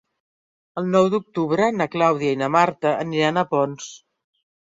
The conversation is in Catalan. El nou d'octubre na Clàudia i na Marta aniran a Ponts.